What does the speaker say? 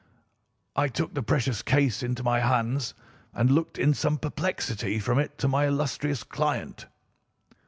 "I took the precious case into my hands and looked in some perplexity from it to my illustrious client.